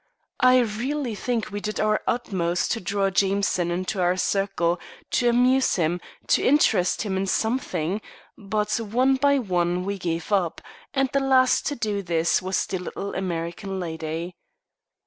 I really think we did our utmost to draw Jameson into our circle, to amuse him, to interest him in something; but one by one we gave him up, and the last to do this was the little American lady.